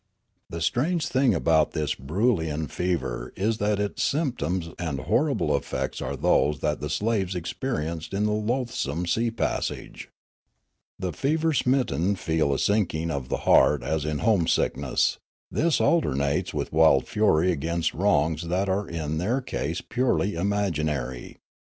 "The strange thing about this Broolyian fever is that its symptoms and horrible effects are those that the slaves experienced in the loathsome sea passage. The fever smitten feel a sinking of the heart as in homesickness ; this alternates with wild fury against wrongs that are in their case purely imaginary.